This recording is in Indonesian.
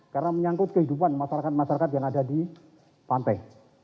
karena menyangkut kehidupan masyarakat masyarakat yang ada di pantai